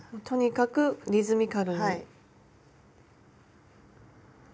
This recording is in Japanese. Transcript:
とにかくリズミカルに。